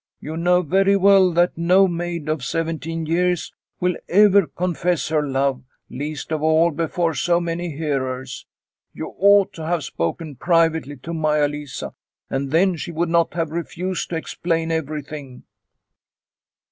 You know very well that no maid of seventeen years will ever confess her love, least of all before so many hearers. You ought to have spoken privately to Maia Lisa, and then she would not have refused to explain everything."